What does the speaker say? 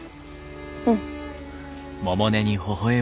うん。